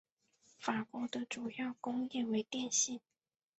法国的主要工业为电信。